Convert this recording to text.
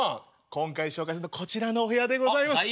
今回紹介するのはこちらのお部屋でございます。